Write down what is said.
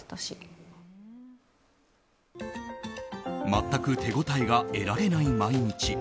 全く手応えが得られない毎日。